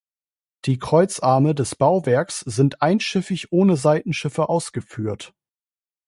Die Kreuzarme des Bauwerks sind einschiffig ohne Seitenschiffe ausgeführt.